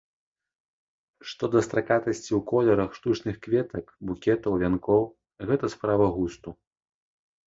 Што да стракатасці ў колерах штучных кветак, букетаў, вянкоў, гэта справа густу.